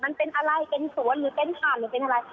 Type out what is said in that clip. มันเป็นอะไรเป็นสวนหรือเป็นถ่านหรือเป็นอะไร